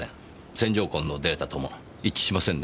旋状痕のデータとも一致しませんね。